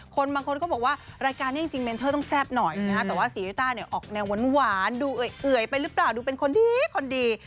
บางคนก็บอกว่ารายการนี้จริงเมนเทอร์ต้องแซ่บหน่อยนะฮะแต่ว่าซีริต้าเนี่ยออกแนวหวานดูเอื่อยไปหรือเปล่าดูเป็นคนดีคนดี